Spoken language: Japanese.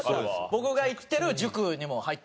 僕が行ってる塾にも入ってきたりとか。